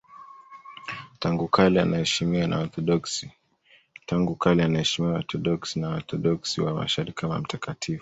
Tangu kale anaheshimiwa na Waorthodoksi na Waorthodoksi wa Mashariki kama mtakatifu.